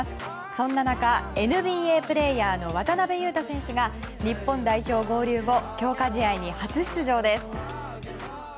そんな中、ＮＢＡプレーヤーの渡邊雄太選手が日本代表合流後強化試合に初出場です。